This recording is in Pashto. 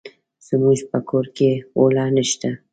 زموږ په کور کې اوړه نشته.